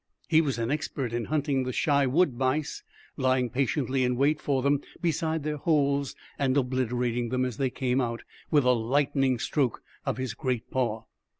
He was an expert in hunting the shy wood mice, lying patiently in wait for them beside their holes and obliterating them, as they came out, with a lightning stroke of his great paw.